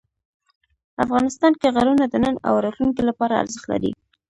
افغانستان کې غرونه د نن او راتلونکي لپاره ارزښت لري.